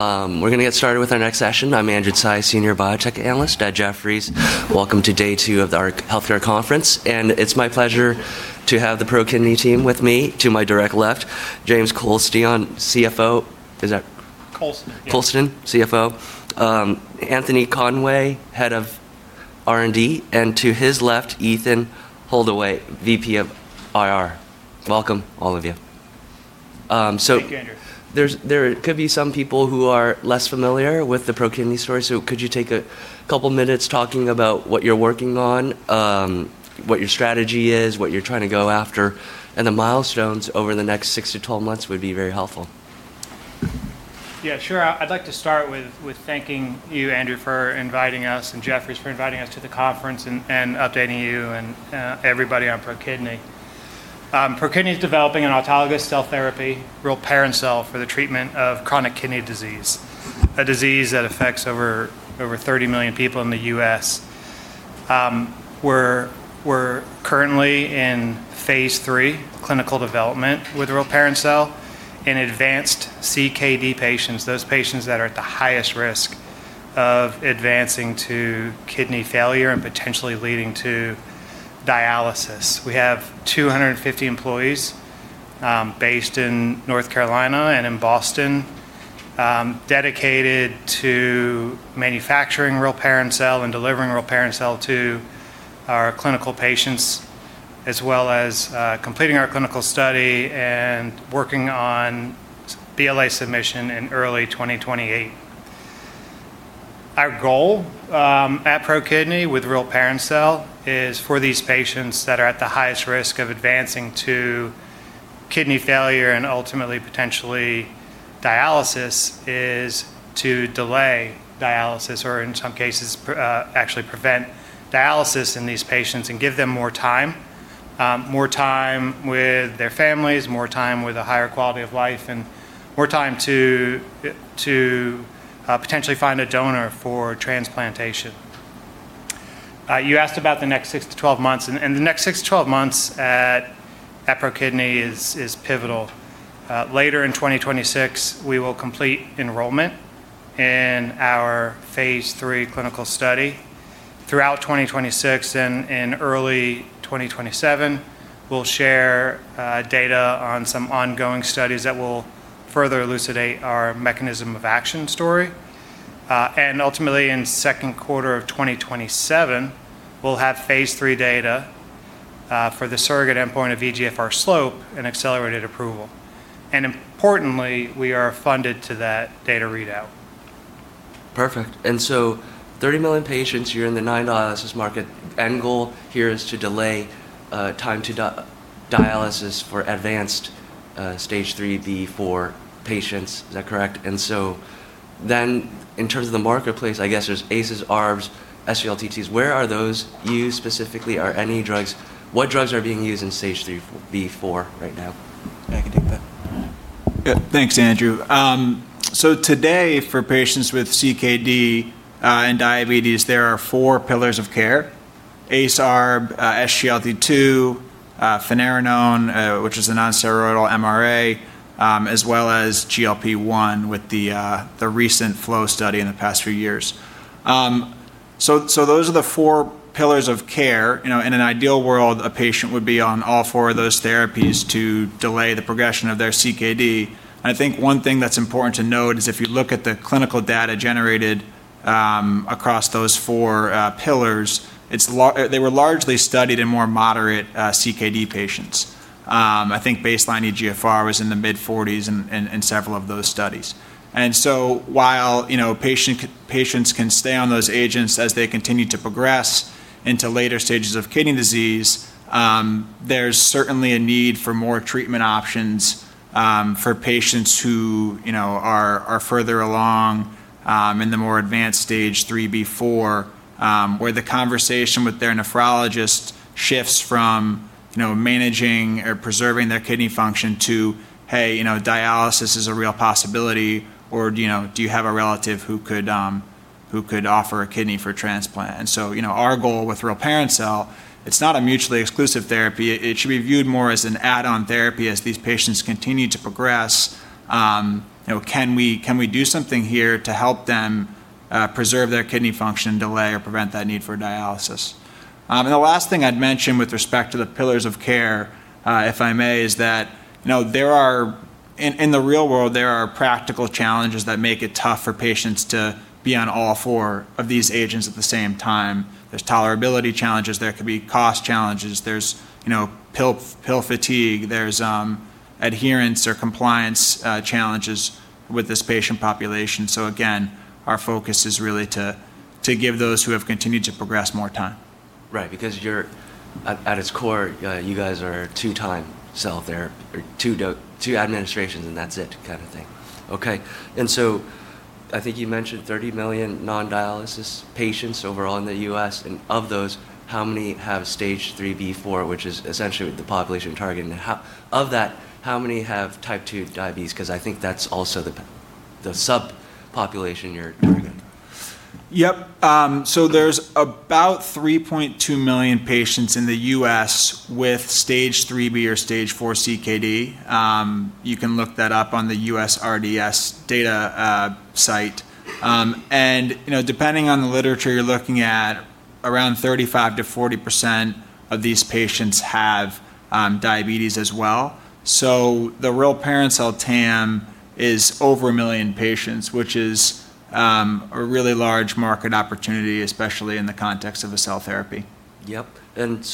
We're going to get started with our next session. I'm Andrew Tsai, Senior Biotech Analyst at Jefferies. Welcome to day two of our Healthcare Conference, and it's my pleasure to have the ProKidney team with me. To my direct left, James Coulston, CFO. Coulston. Yeah. Coulston, CFO. Anthony Conway, Head of R&D, and to his left, Ethan Holdaway, VP of IR. Welcome, all of you. Thank you, Andrew. There could be some people who are less familiar with the ProKidney story, so could you take a couple minutes talking about what you're working on, what your strategy is, what you're trying to go after, and the milestones over the next 6-12 months would be very helpful. Yeah, sure. I'd like to start with thanking you, Andrew, for inviting us, and Jefferies for inviting us to the conference, and updating you and everybody on ProKidney. ProKidney's developing an autologous cell therapy, rilparencel, for the treatment of chronic kidney disease, a disease that affects over 30 million people in the U.S. We're currently in phase III clinical development with rilparencel in advanced CKD patients, those patients that are at the highest risk of advancing to kidney failure and potentially leading to dialysis. We have 250 employees based in North Carolina and in Boston, dedicated to manufacturing rilparencel and delivering rilparencel to our clinical patients as well as completing our clinical study and working on BLA submission in early 2028. Our goal at ProKidney with rilparencel is for these patients that are at the highest risk of advancing to kidney failure and ultimately potentially dialysis, is to delay dialysis or in some cases, actually prevent dialysis in these patients and give them more time. More time with their families, more time with a higher quality of life, and more time to potentially find a donor for transplantation. You asked about the next 6-12 months, the next 6-12 months at ProKidney is pivotal. Later in 2026, we will complete enrollment in our phase III clinical study. Throughout 2026 and early 2027, we'll share data on some ongoing studies that will further elucidate our mechanism of action story. Ultimately in the second quarter of 2027, we'll have phase III data for the surrogate endpoint of eGFR slope and accelerated approval. Importantly, we are funded to that data readout. Perfect, 30 million patients, you're in the non-dialysis market. The end goal here is to delay time to dialysis for advanced stage three, four patients. Is that correct? In terms of the marketplace, I guess there's ACEs, ARBs, SGLT2s. Where are those used specifically? What drugs are being used in stage three, four right now? I can take that. Yeah. Thanks, Andrew. Today for patients with CKD and diabetes, there are four pillars of care, ACE/ARB, SGLT2, finerenone, which is a non-steroidal MRA, as well as GLP-1 with the recent FLOW study in the past few years. Those are the four pillars of care. In an ideal world, a patient would be on all four of those therapies to delay the progression of their CKD. I think one thing that's important to note is if you look at the clinical data generated across those four pillars, they were largely studied in more moderate CKD patients. I think baseline eGFR was in the mid-40s in several of those studies. While patients can stay on those agents as they continue to progress into later stages of kidney disease, there's certainly a need for more treatment options for patients who are further along in the more advanced stage three, four. Where the conversation with their nephrologist shifts from managing or preserving their kidney function to, "Hey, dialysis is a real possibility," or, "Do you have a relative who could offer a kidney for transplant?" Our goal with rilparencel, it's not a mutually exclusive therapy. It should be viewed more as an add-on therapy as these patients continue to progress. Can we do something here to help them preserve their kidney function, delay or prevent that need for dialysis? The last thing I'd mention with respect to the pillars of care, if I may, is that in the real world, there are practical challenges that make it tough for patients to be on all four of these agents at the same time. There's tolerability challenges. There could be cost challenges. There's pill fatigue. There's adherence or compliance challenges with this patient population. Again, our focus is really to give those who have continued to progress more time. Right. At its core, you guys are a two-time cell therapy or two administrations and that's it, kind of thing. Okay. I think you mentioned 30 million non-dialysis patients overall in the U.S. Of those, how many have stage three, four which is essentially the population you're targeting. Of that, how many have Type 2 diabetes? I think that's also the subpopulation you're targeting. Yep. There's about 3.2 million patients in the U.S. with Stage 3B or Stage four CKD. You can look that up on the USRDS data site. Depending on the literature, you're looking at around 35%-40% of these patients have diabetes as well. The rilparencel TAM is over one million patients, which is a really large market opportunity, especially in the context of a cell therapy. Yep.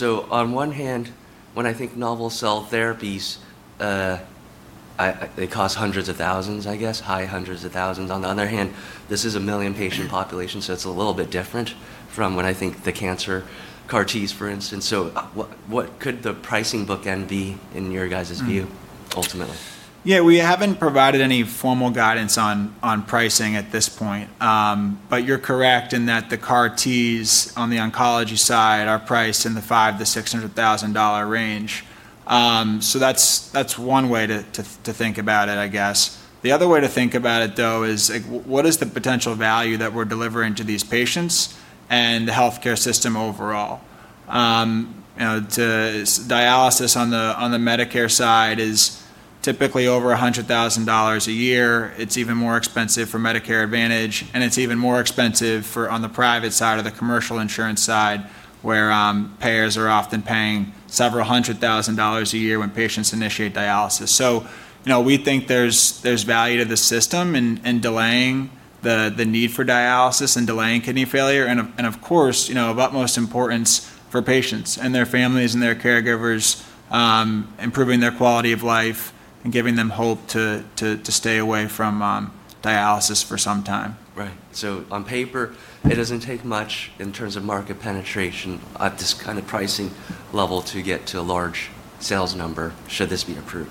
On one hand, when I think novel cell therapies, they cost hundreds of thousands, I guess, high hundreds of thousands. On the other hand, this is a million patient population, it's a little bit different from when I think the cancer CAR-Ts, for instance. What could the pricing bookend be in your guys' view, ultimately? Yeah, we haven't provided any formal guidance on pricing at this point. You're correct in that the CAR-Ts on the oncology side are priced in the $500,000-$600,000 range. That's one way to think about it, I guess. The other way to think about it, though, is what is the potential value that we're delivering to these patients and the healthcare system overall? Dialysis on the Medicare side is typically over $100,000 a year. It's even more expensive for Medicare Advantage, and it's even more expensive on the private side or the commercial insurance side, where payers are often paying several hundred thousand dollars a year when patients initiate dialysis. We think there's value to the system in delaying the need for dialysis and delaying kidney failure, and of course, of utmost importance for patients and their families and their caregivers, improving their quality of life and giving them hope to stay away from dialysis for some time. Right. On paper, it doesn't take much in terms of market penetration at this kind of pricing level to get to a large sales number, should this be approved.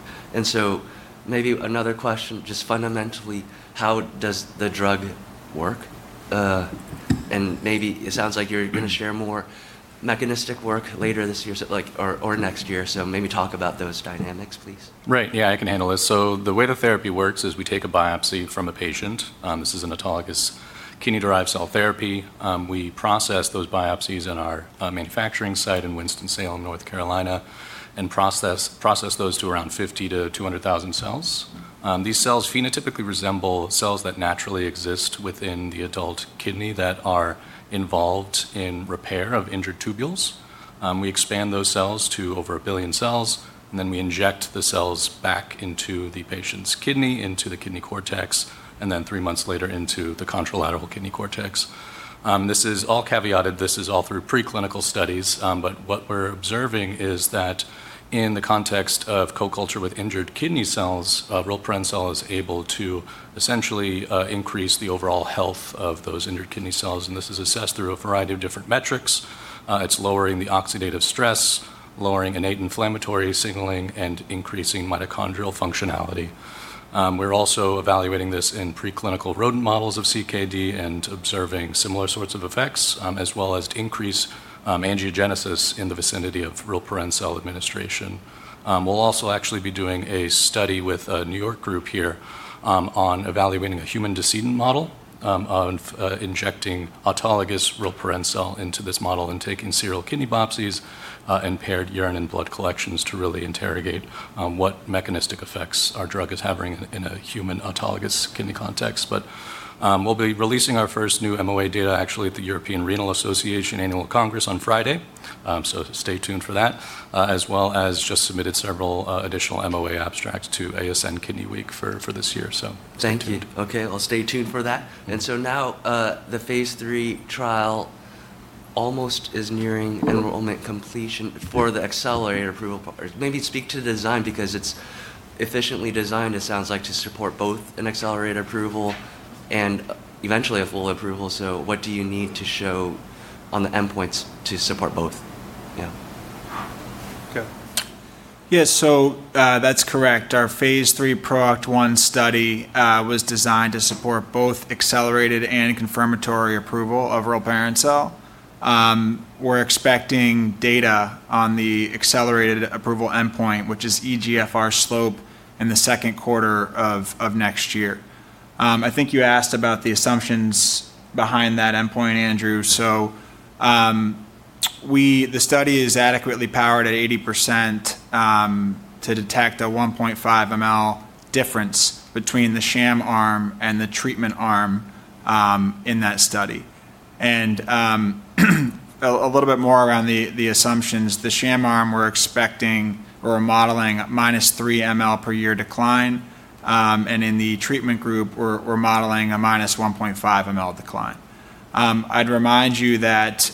Maybe another question, just fundamentally, how does the drug work? Maybe it sounds like you're going to share more mechanistic work later this year or next year, so maybe talk about those dynamics, please. Right. Yeah, I can handle this. The way the therapy works is we take a biopsy from a patient. This is an autologous kidney-derived cell therapy. We process those biopsies in our manufacturing site in Winston-Salem, North Carolina, and process those to around 50,000-200,000 cells. These cells phenotypically resemble cells that naturally exist within the adult kidney that are involved in repair of injured tubules. We expand those cells to over a billion cells, and then we inject the cells back into the patient's kidney, into the kidney cortex, and then three months later into the contralateral kidney cortex. This is all caveated. This is all through pre-clinical studies. What we're observing is that in the context of co-culture with injured kidney cells, rilparencel is able to essentially increase the overall health of those injured kidney cells, and this is assessed through a variety of different metrics. It's lowering the oxidative stress, lowering innate inflammatory signaling, and increasing mitochondrial functionality. We're also evaluating this in pre-clinical rodent models of CKD and observing similar sorts of effects, as well as increased angiogenesis in the vicinity of rilparencel administration. We'll also actually be doing a study with a New York group here on evaluating a human decedent model of injecting autologous rilparencel into this model and taking serial kidney biopsies and paired urine and blood collections to really interrogate what mechanistic effects our drug is having in a human autologous kidney context. We'll be releasing our first new MOA data actually at the European Renal Association annual Congress on Friday. Stay tuned for that. As well as just submitted several additional MOA abstracts to ASN Kidney Week for this year. Stay tuned. Thank you. Okay, I'll stay tuned for that. Now the phase III trial almost is nearing enrollment completion for the accelerated approval. Maybe speak to the design because it's efficiently designed, it sounds like, to support both an accelerated approval and eventually a full approval. What do you need to show on the endpoints to support both? Yeah. Yeah, that's correct. Our phase III PROACT 1 study was designed to support both accelerated and confirmatory approval of rilparencel. We're expecting data on the accelerated approval endpoint, which is eGFR slope, in the second quarter of next year. I think you asked about the assumptions behind that endpoint, Andrew. The study is adequately powered at 80% to detect a 1.5 mL difference between the sham arm and the treatment arm in that study. A little bit more around the assumptions, the sham arm, we're expecting or modeling a -3 mL per year decline, and in the treatment group, we're modeling a -1.5 mL decline. I'd remind you that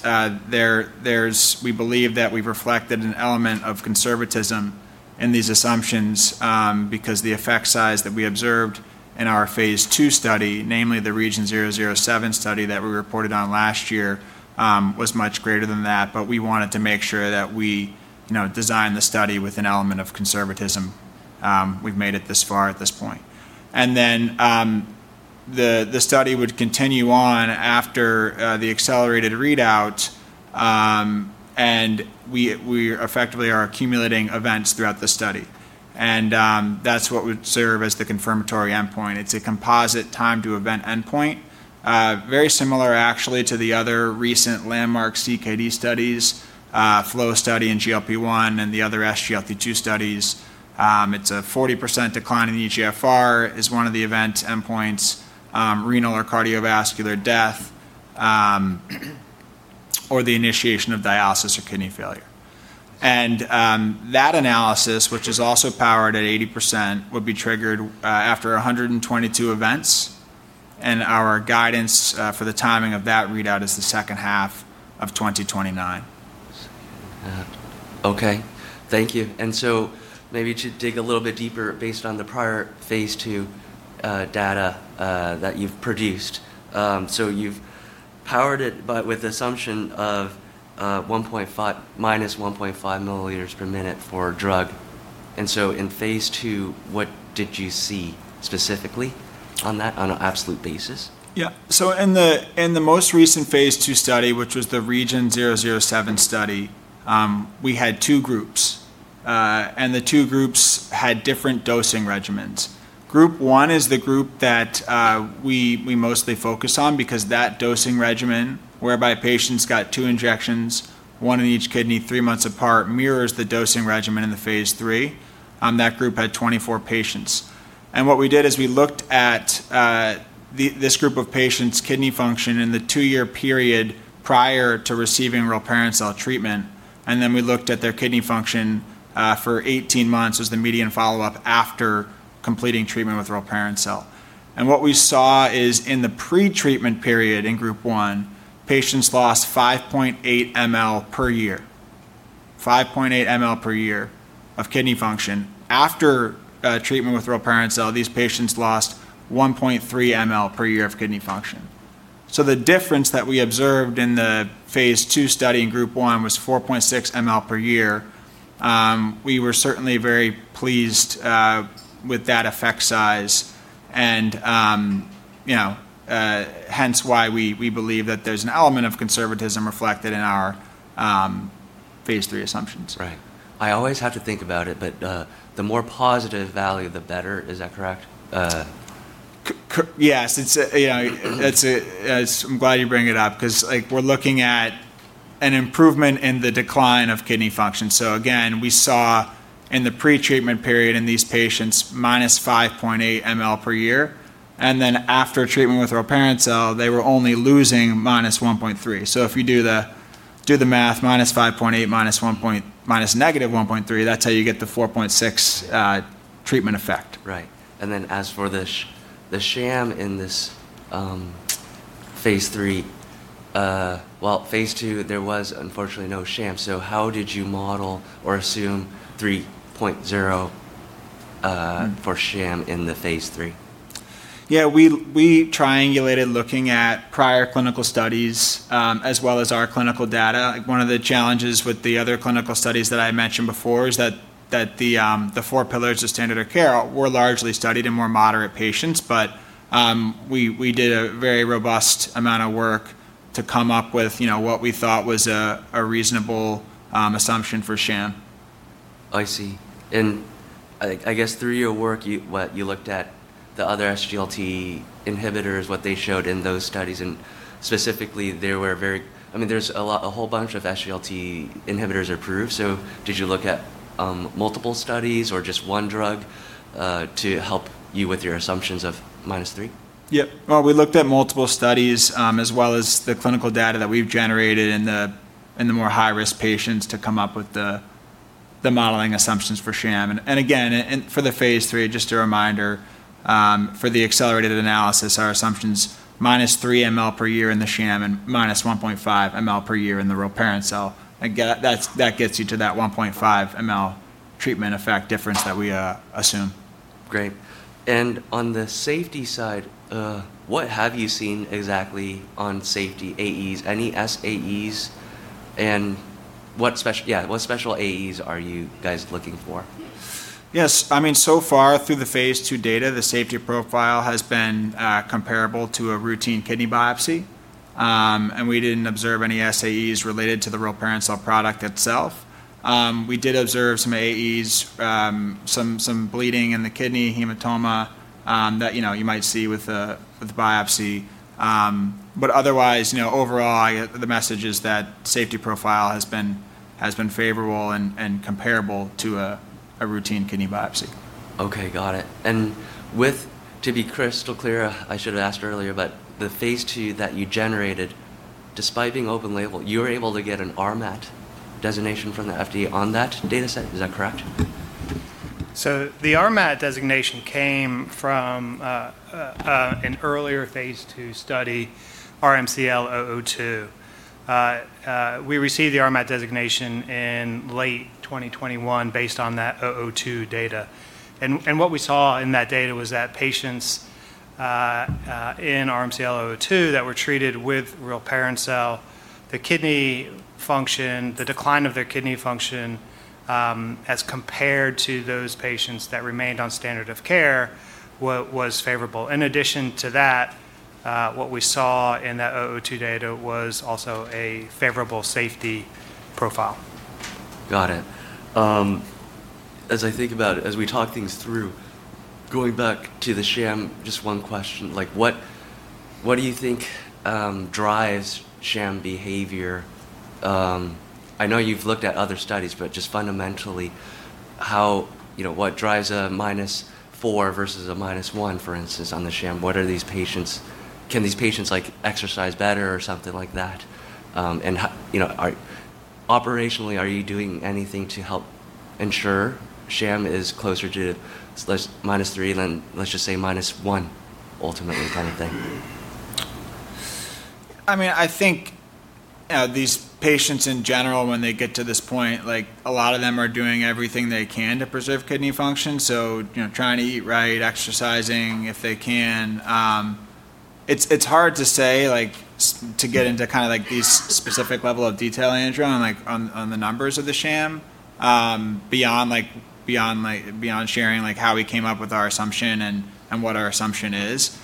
we believe that we've reflected an element of conservatism in these assumptions because the effect size that we observed in our phase II study, namely the REGEN-007 study that we reported on last year, was much greater than that. We wanted to make sure that we designed the study with an element of conservatism. We've made it this far at this point. Then the study would continue on after the accelerated readout, and we effectively are accumulating events throughout the study. That's what would serve as the confirmatory endpoint. It's a composite time-to-event endpoint. Very similar, actually, to the other recent landmark CKD studies, FLOW study in GLP-1, and the other SGLT2 studies. It's a 40% decline in the eGFR is one of the event endpoints, renal or cardiovascular death or the initiation of dialysis or kidney failure. That analysis, which is also powered at 80%, would be triggered after 122 events. Our guidance for the timing of that readout is the second half of 2029. Yeah. Okay. Thank you. Maybe to dig a little bit deeper based on the prior phase II data that you've produced. You've powered it, but with the assumption of -1.5 mL Per minute for drug. In phase II, what did you see specifically on that on an absolute basis? In the most recent phase II study, which was the REGEN-007 study, we had two groups, and the two groups had different dosing regimens. Group one is the group that we mostly focus on because that dosing regimen, whereby patients got two injections, one in each kidney three months apart, mirrors the dosing regimen in the phase III. That group had 24 patients. What we did is we looked at this group of patients' kidney function in the two-year period prior to receiving rilparencel treatment, and then we looked at their kidney function for 18 months as the median follow-up after completing treatment with rilparencel. What we saw is in the pre-treatment period in group one, patients lost 5.8 mL per year. 5.8 mL per year of kidney function. After treatment with rilparencel, these patients lost 1.3 mL per year of kidney function. The difference that we observed in the phase II study in group one was 4.6 mL per year. We were certainly very pleased with that effect size, hence why we believe that there's an element of conservatism reflected in our phase III assumptions. Right. I always have to think about it, but the more positive value, the better. Is that correct? Yes. I'm glad you bring it up because we're looking at an improvement in the decline of kidney function. Again, we saw in the pre-treatment period in these patients, -5.8 mL per year. After treatment with rilparencel, they were only losing -1.3 mL. If you do the math, -5.8 mL, minus -1.3 mL, that's how you get the 4.6 mL treatment effect. Right. As for the sham in this phase III, well, in phase II there was unfortunately no sham, so how did you model or assume 3.0 for sham in the phase III? Yeah. We triangulated looking at prior clinical studies, as well as our clinical data. One of the challenges with the other clinical studies that I mentioned before is that the four pillars of standard of care were largely studied in more moderate patients. We did a very robust amount of work to come up with what we thought was a reasonable assumption for sham. I see. I guess through your work, you looked at the other SGLT inhibitors, what they showed in those studies. Specifically, there's a whole bunch of SGLT inhibitors approved. Did you look at multiple studies or just one drug to help you with your assumptions of -3 mL? Yep. Well, we looked at multiple studies, as well as the clinical data that we've generated in the more high-risk patients to come up with the modeling assumptions for sham. Again, for the phase III, just a reminder, for the accelerated analysis, our assumption's -3 mL per year in the sham and -1.5 mL per year in the rilparencel. Again, that gets you to that 1.5 mL treatment effect difference that we assume. Great. On the safety side, what have you seen exactly on safety AEs? Any SAEs? What special AEs are you guys looking for? Yes. Far through the phase II data, the safety profile has been comparable to a routine kidney biopsy. We didn't observe any SAEs related to the rilparencel product itself. We did observe some AEs, some bleeding in the kidney, hematoma, that you might see with the biopsy. Otherwise, overall, the message is that safety profile has been favorable and comparable to a routine kidney biopsy. Okay. Got it. To be crystal clear, I should've asked earlier, the phase II that you generated, despite being open label, you were able to get an RMAT designation from the FDA on that data set. Is that correct? The RMAT designation came from an earlier phase II study, RMCL-002. We received the RMAT designation in late 2021 based on that 002 data. What we saw in that data was that patients in RMCL-002 that were treated with rilparencel, the decline of their kidney function as compared to those patients that remained on standard of care was favorable. In addition to that. What we saw in that 002 data was also a favorable safety profile. Got it. As we talk things through, going back to the sham, just one question, what do you think drives sham behavior? I know you've looked at other studies, just fundamentally, what drives a -4 versus a -1, for instance, on the sham? Can these patients exercise better or something like that? Operationally, are you doing anything to help ensure sham is closer to -3 than, let's just say -1, ultimately, kind of thing? I think these patients in general, when they get to this point, a lot of them are doing everything they can to preserve kidney function, so trying to eat right, exercising if they can. It's hard to say, to get into this specific level of detail, Andrew, on the numbers of the sham, beyond sharing how we came up with our assumption and what our assumption is.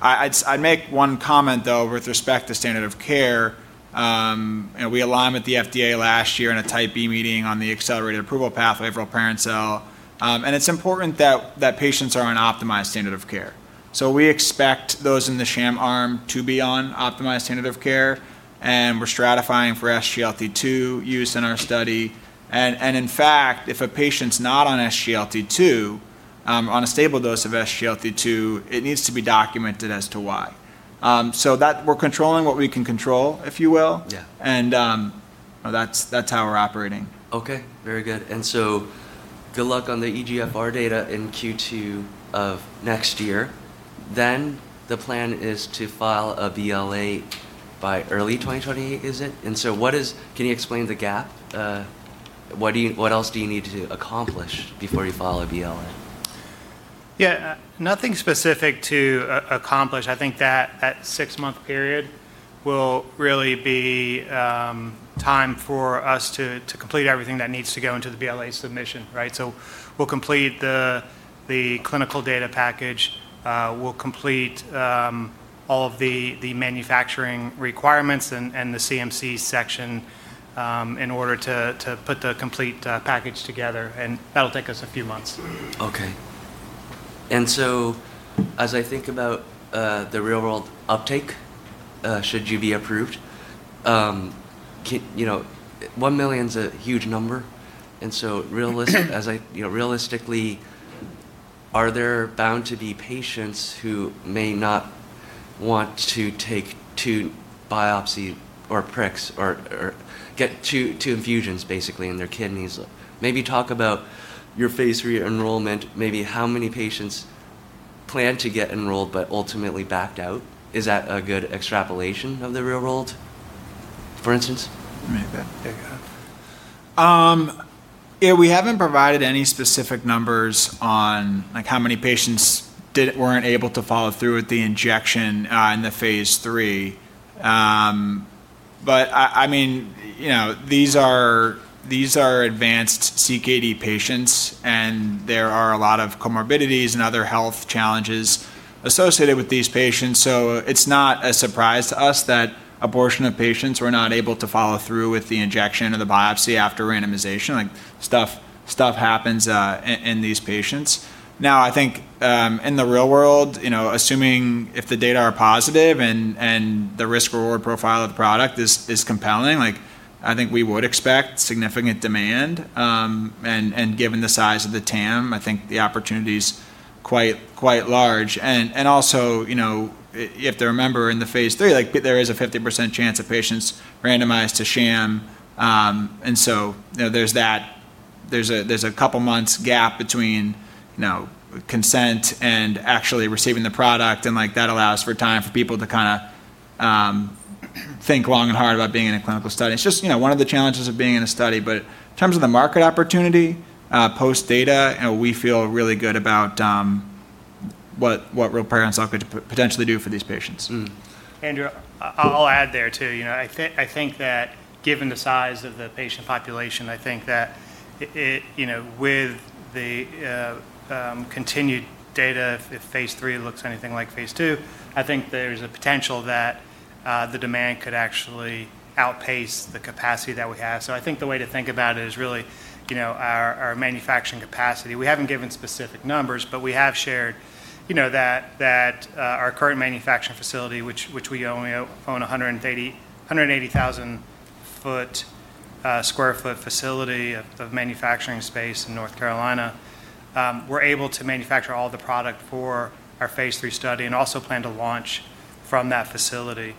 I'd make one comment, though, with respect to standard of care. We aligned with the FDA last year in a Type B meeting on the accelerated approval pathway for rilparencel. It's important that patients are on optimized standard of care. We expect those in the sham arm to be on optimized standard of care, and we're stratifying for SGLT2 use in our study. In fact, if a patient's not on a stable dose of SGLT2, it needs to be documented as to why. We're controlling what we can control, if you will. That's how we're operating. Okay, very good. Good luck on the eGFR data in Q2 of next year. The plan is to file a BLA by early 2028, is it? Can you explain the gap? What else do you need to accomplish before you file a BLA? Yeah, nothing specific to accomplish. I think that six-month period will really be time for us to complete everything that needs to go into the BLA submission. Right? We'll complete the clinical data package, we'll complete all of the manufacturing requirements and the CMC section in order to put the complete package together, and that'll take us a few months. Okay. As I think about the real-world uptake, should you be approved, one million's a huge number, and so realistically, are there bound to be patients who may not want to take two biopsy or pricks, or get two infusions, basically, in their kidneys? Maybe talk about your phase III enrollment, maybe how many patients planned to get enrolled but ultimately backed out. Is that a good extrapolation of the real world, for instance? We haven't provided any specific numbers on how many patients weren't able to follow through with the injection in the phase III. These are advanced CKD patients, and there are a lot of comorbidities and other health challenges associated with these patients, so it's not a surprise to us that a portion of patients were not able to follow through with the injection or the biopsy after randomization. Stuff happens in these patients. I think in the real world, assuming if the data are positive and the risk-reward profile of the product is compelling, I think we would expect significant demand. Given the size of the TAM, I think the opportunity's quite large. Also, if they're a member in the phase III, there is a 50% chance of patients randomized to sham. There's a couple of months gap between consent and actually receiving the product, and that allows for time for people to think long and hard about being in a clinical study. It's just one of the challenges of being in a study. In terms of the market opportunity, post-data, we feel really good about what rilparencel could potentially do for these patients. Andrew, I'll add there, too. I think that given the size of the patient population, I think that with the continued data, if phase III looks anything like phase II, I think there's a potential that the demand could actually outpace the capacity that we have. I think the way to think about it is really our manufacturing capacity. We haven't given specific numbers, but we have shared that our current manufacturing facility, which we only own 180,000 sq ft facility of manufacturing space in North Carolina, we're able to manufacture all the product for our phase III study and also plan to launch from that facility.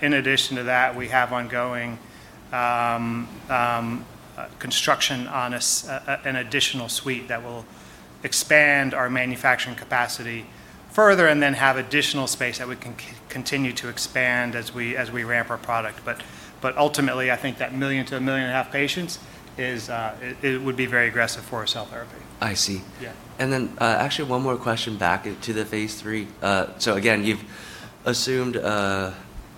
In addition to that, we have ongoing construction on an additional suite that will expand our manufacturing capacity further and then have additional space that we can continue to expand as we ramp our product. Ultimately, I think that 1 million-1.5 million patients, it would be very aggressive for a cell therapy. I see. Actually, one more question back to the phase III. Again, you've assumed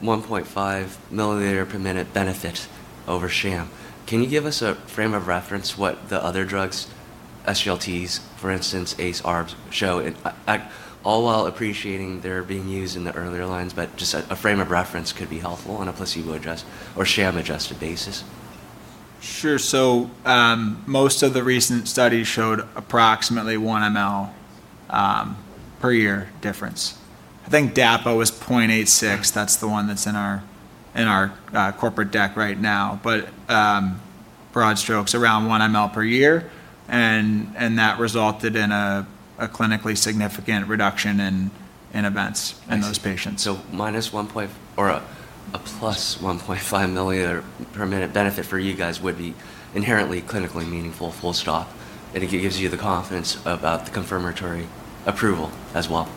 a 1.5 mL per minute benefit over sham. Can you give us a frame of reference what the other drugs, SGLT2s, for instance, ACE/ARB show, all while appreciating they're being used in the earlier lines, but just a frame of reference could be helpful on a placebo-adjusted or sham-adjusted basis. Sure. Most of the recent studies showed approximately one ml per year difference. I think DAPA-CKD was 0.86. That's the one that's in our corporate deck right now. Broad strokes, around one ml per year, and that resulted in a clinically significant reduction in events in those patients. A plus 1.5 mL per minute benefit for you guys would be inherently clinically meaningful, full stop. It gives you the confidence about the confirmatory approval as well.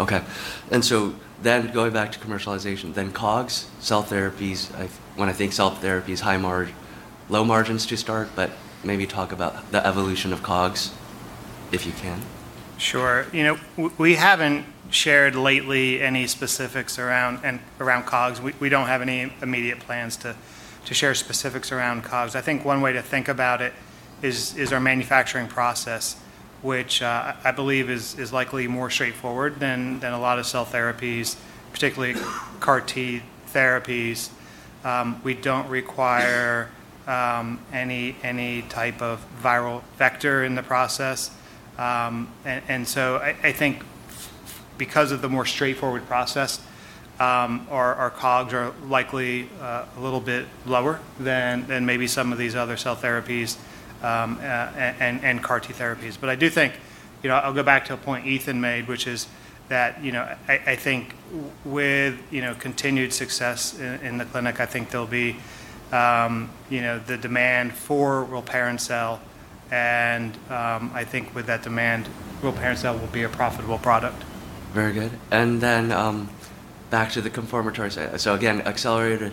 Okay. Going back to commercialization then, COGS, cell therapies, when I think cell therapies, low margins to start, maybe talk about the evolution of COGS, if you can. Sure. We haven't shared lately any specifics around COGS. We don't have any immediate plans to share specifics around COGS. I think one way to think about it is our manufacturing process, which I believe is likely more straightforward than a lot of cell therapies, particularly CAR-T therapies. We don't require any type of viral vector in the process. I think because of the more straightforward process, our COGS are likely a little bit lower than maybe some of these other cell therapies, and CAR-T therapies. I do think, I'll go back to a point Ethan made, which is that, I think with continued success in the clinic, I think there'll be the demand for rilparencel, and, I think with that demand, rilparencel will be a profitable product. Very good. Back to the confirmatory. Again, accelerated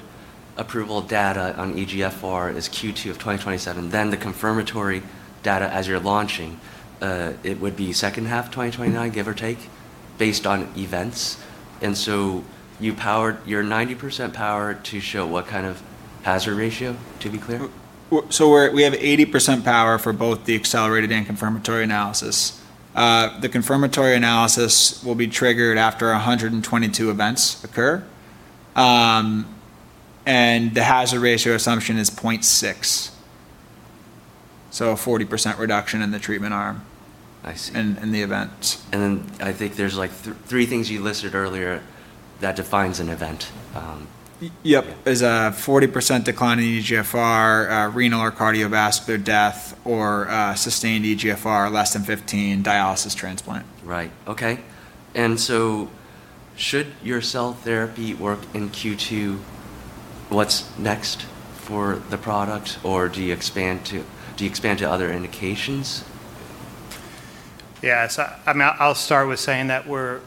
approval data on eGFR is Q2 of 2027. The confirmatory data as you're launching, it would be second half 2029, give or take, based on events. You're 90% powered to show what kind of hazard ratio, to be clear? We have 80% power for both the accelerated and confirmatory analysis. The confirmatory analysis will be triggered after 122 events occur. The hazard ratio assumption is 0.6, so a 40% reduction in the treatment arm. I see. in the event. I think there's three things you listed earlier that defines an event. Yep. Is a 40% decline in eGFR, renal or cardiovascular death, or a sustained eGFR less than 15, dialysis transplant. Right. Okay. Should your cell therapy work in Q2, what's next for the product or do you expand to other indications? I'll start with saying that we're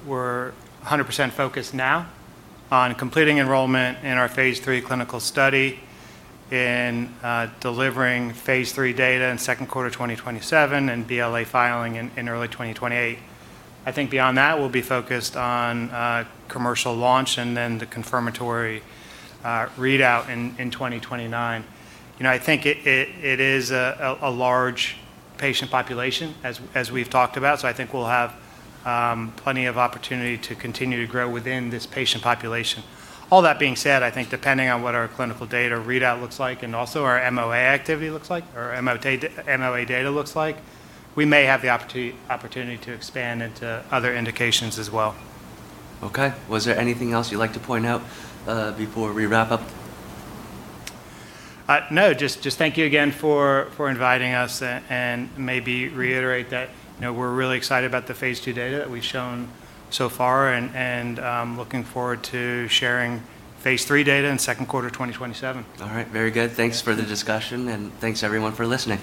100% focused now on completing enrollment in our phase III clinical study in delivering phase III data in second quarter 2027 and BLA filing in early 2028. I think beyond that, we'll be focused on commercial launch and then the confirmatory readout in 2029. I think it is a large patient population as we've talked about, so I think we'll have plenty of opportunity to continue to grow within this patient population. All that being said, I think depending on what our clinical data readout looks like, and also our MOA activity looks like, or MOA data looks like, we may have the opportunity to expand into other indications as well. Okay. Was there anything else you'd like to point out before we wrap up? No, just thank you again for inviting us and maybe reiterate that we're really excited about the phase II data that we've shown so far and looking forward to sharing phase III data in second quarter 2027. All right. Very good. Thanks for the discussion and thanks everyone for listening.